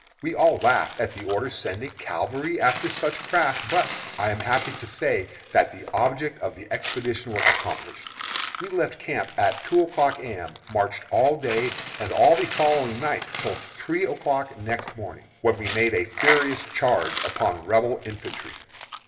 We all laughed at the order sending cavalry after such craft, but I am happy to say that the object of the expedition was accomplished. We left camp at two o'clock A. M., marched all day and all the following night, till three o'clock next morning, when we made a furious charge upon Rebel infantry.